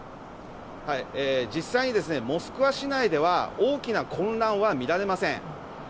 実際にモスクワ市内では大きな混乱は見られません。